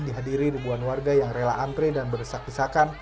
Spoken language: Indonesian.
dihadiri ribuan warga yang rela antre dan beresak pesakan